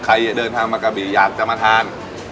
ใครเดินทางมากะบีอยากจะมาทาน